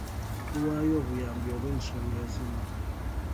Tuwaayo obuyambi olw'ensonga ezimu.